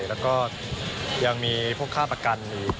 แล้วก็ยังมีพวกค่าประกันอีก